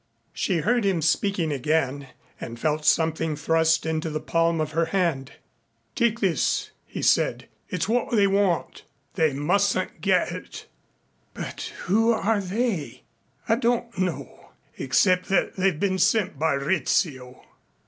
She heard him speaking again and felt something thrust into the palm of her hand. "Take this," he said. "It's what they want. They mustn't get it." "But who are they?" "I don't know. Except that they've been sent by Rizzio."